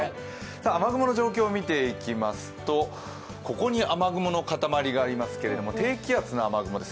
雨雲の状況、見ていきますとここに雨雲の塊がありますけど低気圧の雨雲です。